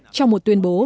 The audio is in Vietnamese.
trong một tuyên bố